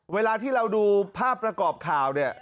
เวลาที่เราดูภาพประกอบข่าวเนี่ย